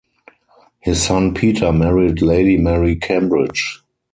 His son Peter married Lady Mary Cambridge.